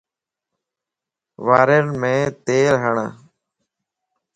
واريم تيل ھڻ